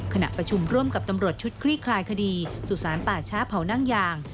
ขณะประชุมร่วมกับตำรวจชุดคลี่คลายคดีสุสานป่าช้าเผานั่งยาง